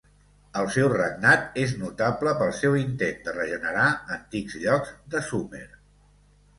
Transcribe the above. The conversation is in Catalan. El seu regnat és notable pel seu intent de regenerar antics llocs de Sumer.